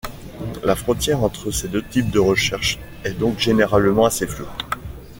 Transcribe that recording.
La frontière entre ces deux types de recherche est donc généralement assez floue.